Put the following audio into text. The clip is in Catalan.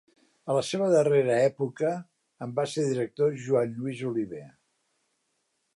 A la seva darrera època en va ser director Joan Lluís Oliver.